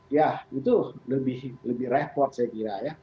ya itu lebih rapor saya kira